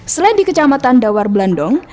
selain di kecamatan dawar blendong